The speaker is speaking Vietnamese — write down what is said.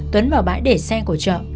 tuấn vào bãi để xe của chợ